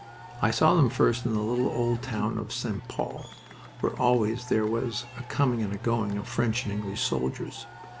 I saw them first in the little old town of St. Pol, where always there was a coming and going of French and English soldiers.